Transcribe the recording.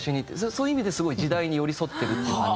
そういう意味ですごい時代に寄り添ってるって感じが。